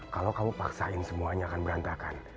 kalau kamu paksain semuanya akan berantakan